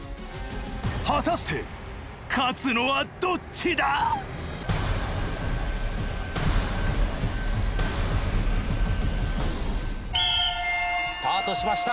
果たして勝つのはどっちだ！？スタートしました。